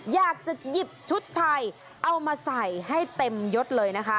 อยากจะหยิบชุดไทยเอามาใส่ให้เต็มยดเลยนะคะ